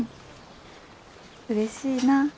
うれしいな。